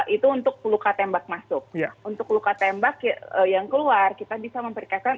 itu untuk luka tembak masuk untuk luka tembak yang keluar kita bisa memperiksa